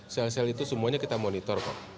sel sel itu semuanya kita monitor kok